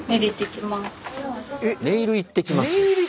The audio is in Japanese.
ネイル行ってきます？